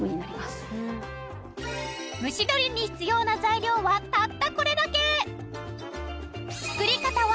蒸し鶏に必要な材料はたったこれだけ。